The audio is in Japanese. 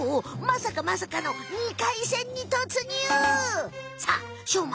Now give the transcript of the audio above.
まさかまさかの２回戦にとつにゅう！さあしょう